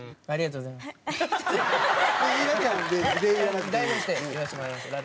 ありがとうございます。